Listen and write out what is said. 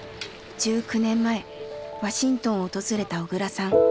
１９年前ワシントンを訪れた小倉さん。